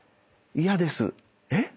「嫌です」えっ？